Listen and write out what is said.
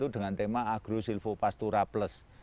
dengan tema agro silvopastura plus